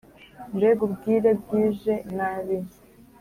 Mbega ubwire bwije nabi